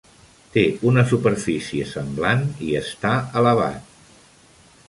Té una superfície semblant i està elevat.